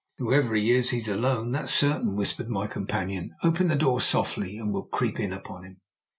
"Whoever he is, he's alone that's certain," whispered my companion. "Open the door softly, and we'll creep in upon him."